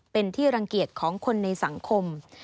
เป็นที่รังเกียจของคนในสังคม